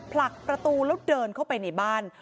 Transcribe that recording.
ผลักประตูแล้วเดินเข้าไปในบ้าน